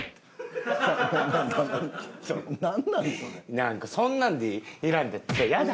なんかそんなんで選んで嫌だ。